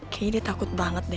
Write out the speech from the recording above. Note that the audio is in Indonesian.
kayaknya dia takut banget deh